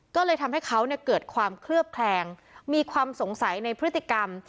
ก็เลยทำให้เขาเกิดความเคลือบแคลงมีความสงสัยในพฤติกรรม